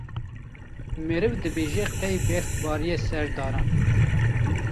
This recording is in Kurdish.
meriv dibêje qey berf bariye ser daran.